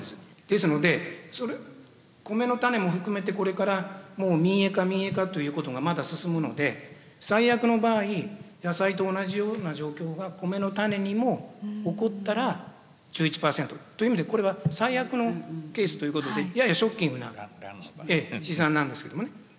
ですのでコメの種も含めてこれからもう民営化民営化ということがまだ進むので最悪の場合野菜と同じような状況がコメの種にも起こったら１１％という意味でこれは最悪のケースということでややショッキングな試算なんですけどもね。